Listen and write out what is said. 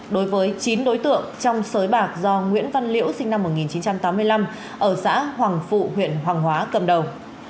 đối với chín đối tượng trong sới bạc do nguyễn văn liễu sinh năm một nghìn chín trăm tám mươi năm ở xã hoàng phụ huyện hoàng hóa cầm đầu